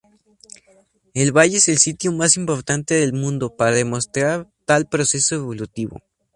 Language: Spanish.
El Valle es el sitio más importante del mundo para demostrar tal proceso evolutivo.